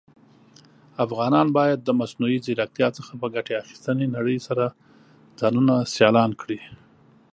افغانان بايد د مصنوعى ځيرکتيا څخه په ګټي اخيستنې نړئ سره ځانونه سيالان کړى.